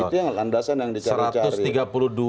itu yang landasan yang dicari cari